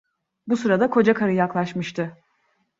Bu sırada kocakarı yaklaşmıştı.